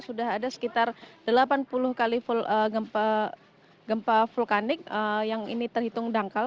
sudah ada sekitar delapan puluh kali gempa vulkanik yang ini terhitung dangkal